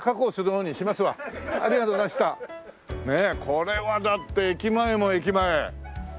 これはだって駅前も駅前。